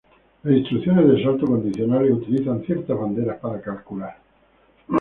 Las instrucciones de salto condicionales utilizan ciertas banderas para calcular.